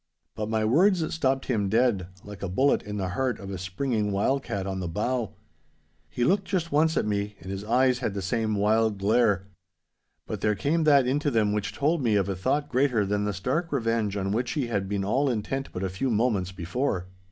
But my words stopped him dead, like a bullet in the heart of a springing wild cat on the bough. He looked just once at me, and his eyes had the same wild glare. But there came that into them which told me of a thought greater than the stark revenge on which he had been all intent but a few moments before.